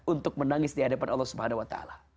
untuk menangis di hadapan allah swt